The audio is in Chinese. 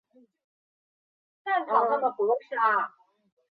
博嘎里缅甸克伦邦帕安县的一个镇。